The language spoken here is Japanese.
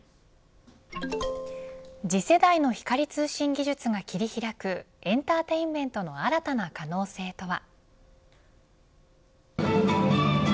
次世代の光通信技術が切り開くエンターテインメントの新たな可能性とは。